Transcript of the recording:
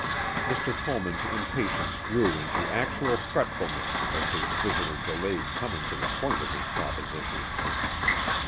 Mr. Tollman's impatience grew into actual fretfulness as his visitor delayed coming to the point of his proposition.